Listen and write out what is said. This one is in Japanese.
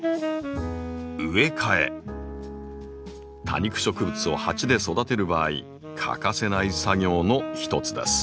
多肉植物を鉢で育てる場合欠かせない作業のひとつです。